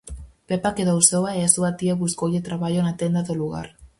Pepa quedou soa e a súa tía buscoulle traballo na tenda do lugar.